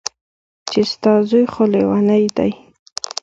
چې ستا زوى خو ليونۍ دى.